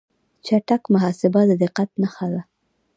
چټک محاسبه د دقت نښه ده.